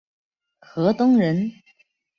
河东人。